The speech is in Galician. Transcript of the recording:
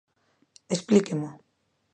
Explíquemo.